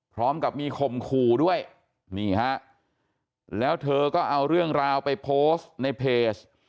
พร้อมกับมีข่มขู่ด้วยนี่ฮะแล้วเธอก็เอาเรื่องราวไปโพสต์ในเพจ